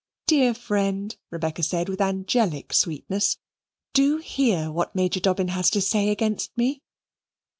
"Dear friend!" Rebecca said with angelic sweetness, "do hear what Major Dobbin has to say against me."